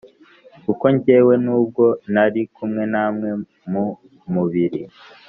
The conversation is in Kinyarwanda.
Kuko jyewe, n’ubwo ntari kumwe namwe mu mubiri,